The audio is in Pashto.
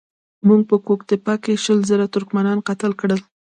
موږ په ګوک تېپه کې شل زره ترکمنان قتل کړل.